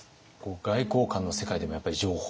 外交官の世界でもやっぱり情報戦？